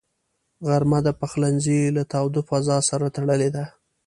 غرمه د پخلنځي له تاوده فضاء سره تړلې ده